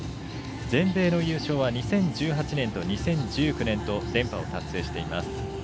全米の優勝は２０１８年と２０１９年と連覇を達成しています。